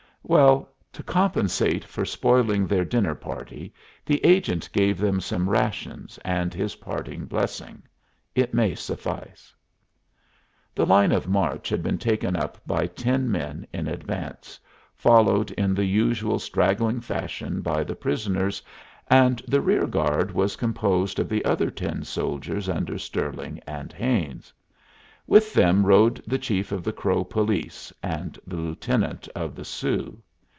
"Well, to compensate for spoiling their dinner party, the agent gave them some rations and his parting blessing. It may suffice." The line of march had been taken up by ten men in advance, followed in the usual straggling fashion by the prisoners, and the rear guard was composed of the other ten soldiers under Stirling and Haines. With them rode the chief of the Crow police and the lieutenant of the Sioux.